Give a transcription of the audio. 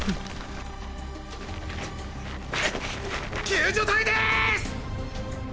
救助隊ですッ。